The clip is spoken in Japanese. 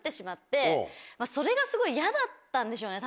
それがすごい嫌だったんでしょうね